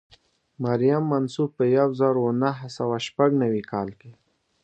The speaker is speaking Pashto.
مریم منصف په یو زر او نهه سوه شپږ نوي کال کې.